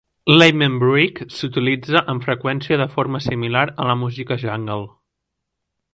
L"amen break s"utilitza amb freqüència de forma similar a la música jungle.